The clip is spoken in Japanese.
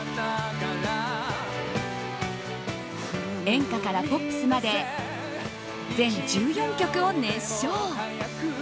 演歌からポップスまで全１４曲を熱唱。